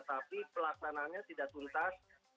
tapi pelaksananya tidak tuntas